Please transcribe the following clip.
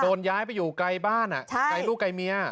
โดนย้ายไปอยู่ไกลบ้านไกลลูกไกลเมีย